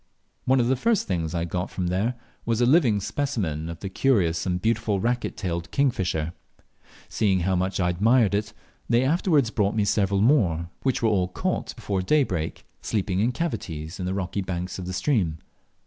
One of the first things I got from there was a living specimen of the curious and beautiful racquet tailed kingfisher. Seeing how much I admired it, they afterwards brought me several more, which wore all caught before daybreak, sleeping in cavities of the rocky banks of the stream.